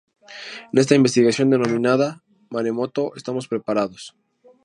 En esta investigación denominada "Maremoto ¿estamos preparados?